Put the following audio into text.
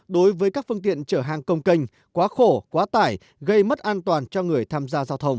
đối với các phương tiện chở hàng công canh quá khổ quá tải gây mất an toàn cho người tham gia giao thông